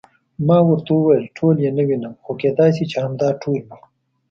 ما ورته وویل: ټول یې نه وینم، خو کېدای شي چې همدا ټول وي.